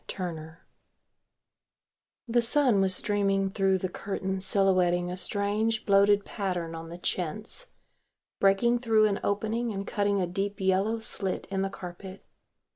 TURNER_] The sun was streaming through the curtains silhouetting a strange bloated pattern on the chintz, breaking through an opening and cutting a deep yellow slit in the carpet.